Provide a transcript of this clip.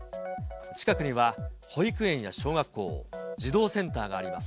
近くには保育園や小学校、児童センターがあります。